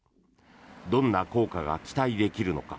どんな効果が期待できるのか。